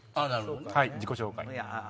自己紹介。